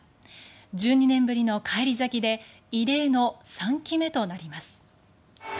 １２年ぶりの返り咲きで異例の３期目となります。